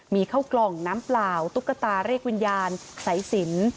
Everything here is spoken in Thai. มีเข้ากล่องน้ำเปล่าตุ๊กตาเรียกวิญญาณสายสิน